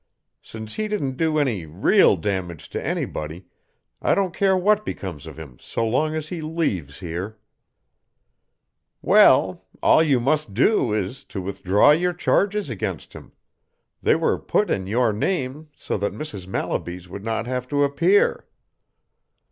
Since he didn't do any real damage to anybody I don't care what becomes of him so long as he leaves here." "Well, all you must do is to withdraw your charges against him they were put in your name so that Mrs. Mallaby's would not have to appear."